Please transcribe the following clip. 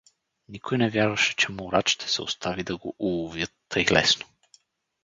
Никой не вярваше, че Мурад ще се остави да го уловят тъй лесно.